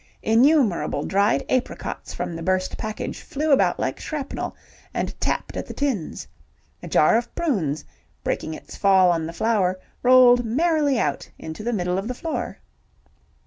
Innumerable dried apricots from the burst package flew about like shrapnel, and tapped at the tins. A jar of prunes, breaking its fall on the flour, rolled merrily out into the middle of the floor.